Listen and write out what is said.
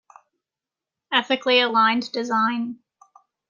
Ethically Aligned Design.